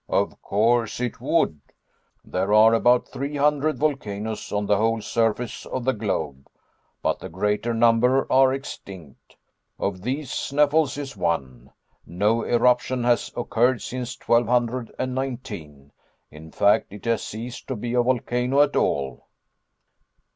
"Of course it would. There are about three hundred volcanoes on the whole surface of the globe but the greater number are extinct. Of these Sneffels is one. No eruption has occurred since 1219 in fact it has ceased to be a volcano at all."